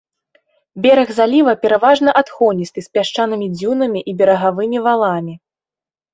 Бераг заліва пераважна адхоністы з пясчанымі дзюнамі і берагавымі валамі.